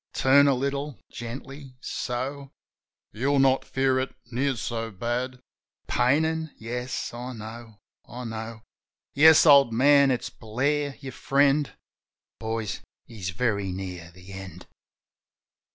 Turn a little — gently — so. You'll not feel it near so bad. ... Painin'? Yes, I know, I know. Yes, old man; it's Blair, your friend. .. (Boys, he's very near the end.")